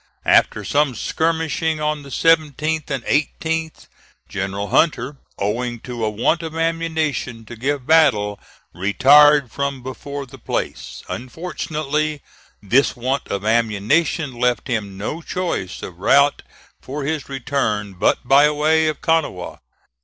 After some skirmishing on the 17th and 18th, General Hunter, owing to a want of ammunition to give battle, retired from before the place. Unfortunately, this want of ammunition left him no choice of route for his return but by way of Kanawha.